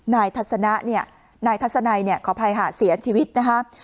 นายทัศนาเนี่ยนายทัศนายขอภัยหาเสียชีวิตนะคะ